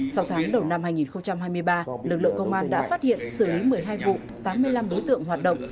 sau tháng đầu năm hai nghìn hai mươi ba lực lượng công an đã phát hiện xử lý một mươi hai vụ tám mươi năm đối tượng hoạt động